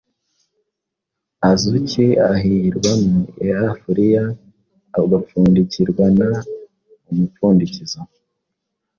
Azuki ihyirwa mu iafuriya igapfundikirwan umupfundikizo